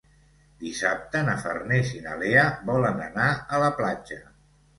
Dissabte na Farners i na Lea volen anar a la platja.